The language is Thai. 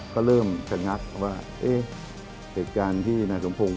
ก็เริ่มขนัดว่าเหตุการณ์ที่นายสมทงพูด